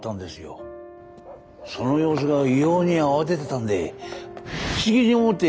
その様子が異様に慌ててたんで不思議に思って店をのぞいてみました。